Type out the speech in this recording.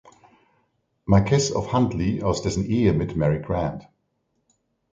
Marquess of Huntly aus dessen Ehe mit Mary Grant.